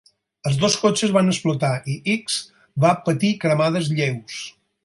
Els dos cotxes van explotar i Ickx va patir cremades lleus.